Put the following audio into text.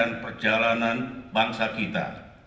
dan perjalanan bangsa kita